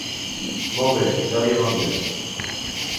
Molt bé, ja li hem envia't.